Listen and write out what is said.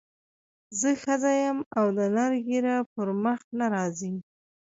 زه ښځه یم او د نر ږیره پر مخ نه راځي.